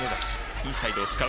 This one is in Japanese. インサイドを使う。